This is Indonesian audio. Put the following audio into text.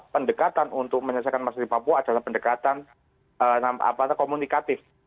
pendekatan untuk menyelesaikan masalah di papua adalah pendekatan komunikatif